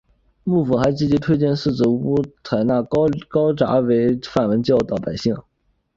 幕府还积极推荐寺子屋采纳高札作为范文教导百姓。